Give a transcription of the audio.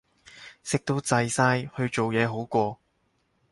食到滯晒，去做嘢好過